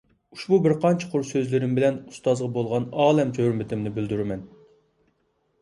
ئۇشبۇ بىرقانچە قۇر سۆزلىرىم بىلەن ئۇستازغا بولغان ئالەمچە ھۆرمىتىمنى بىلدۈرىمەن.